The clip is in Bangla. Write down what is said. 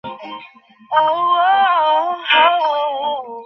মনে করিতেছি তাহাকে ফিরিয়া ডাকিব, এমন সময়ে দেখি সে আপনি ফিরিয়া আসিতেছে।